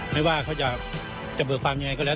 ไม่ว่าเขาจะเบิกความยังไงก็แล้ว